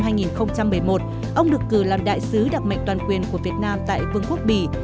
năm hai nghìn một mươi một ông được cử làm đại sứ đặc mệnh toàn quyền của việt nam tại vương quốc bỉ